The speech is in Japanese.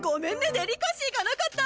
デリカシーがなかった！